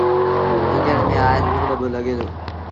ايٚݩجڻ ميݩ آئيل رو ڏٻو لڳي دو۔